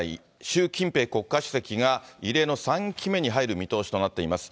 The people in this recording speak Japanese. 習近平国家主席が、異例の３期目に入る見通しとなっています。